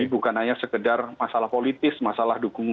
jadi bukan hanya sekedar masalah politis masalah dukungan